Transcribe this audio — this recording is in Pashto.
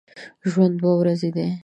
ژوند دوې ورځي دی